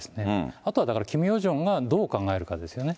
あとはだから、キム・ヨジョンがどう考えるかですよね。